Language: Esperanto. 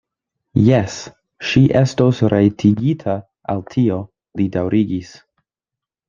Jes, ŝi estos rajtigita al tio, li daŭrigis.